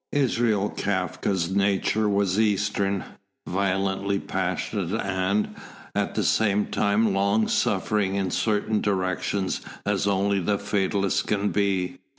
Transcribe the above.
Israel Kafka's nature was eastern, violently passionate and, at the same time, long suffering in certain directions as only the fatalist can be.